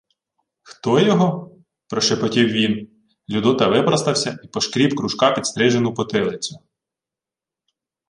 — Хто його? — прошепотів він. Людота випростався й пошкріб кружка підстрижену потилицю.